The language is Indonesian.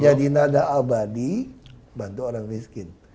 jadi nada abadi bantu orang miskin